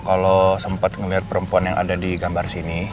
kalau sempat melihat perempuan yang ada di gambar sini